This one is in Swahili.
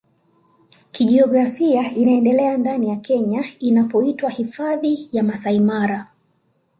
kijiografia inaendelea ndani ya Kenya inapoitwa hifadhi ya Masai Mara